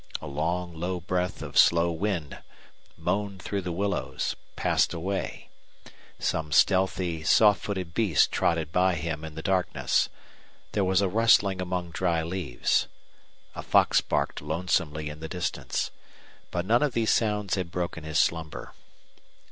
A long low breath of slow wind moaned through the willows, passed away; some stealthy, soft footed beast trotted by him in the darkness; there was a rustling among dry leaves; a fox barked lonesomely in the distance. But none of these sounds had broken his slumber.